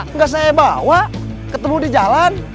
enggak saya bawa ketemu di jalan